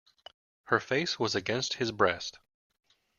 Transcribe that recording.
Her face was against his breast.